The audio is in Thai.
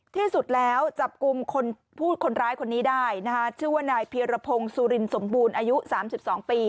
ที่สุดแล้วจับกลุ่มคนพูดคนร้ายคนนี้ได้นะคะชื่อว่านายเพียรพงศ์สุรินสมบูรณ์อายุ๓๒ปี